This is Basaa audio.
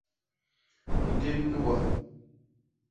Ntén nuga.